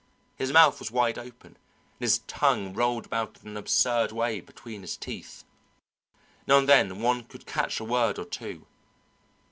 His mouth was wide open and his tongue rolled about in an absurd way between his teeth. Now and then one could catch a word or two.